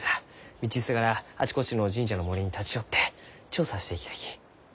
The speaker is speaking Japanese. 道すがらあちこちの神社の森に立ち寄って調査していきたいき。